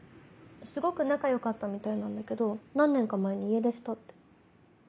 すごく仲良かったみたいなんだけど何年か前に家出したって。